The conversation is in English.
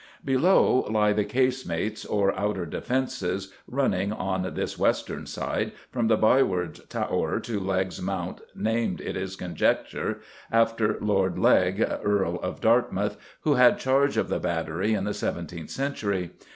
Below lie the Casemates or outer defences, running, on this western side, from the Byward Tower to Legge's Mount, named, it is conjectured, after George Legge, Earl of Dartmouth, who had charge of the battery in the seventeenth century.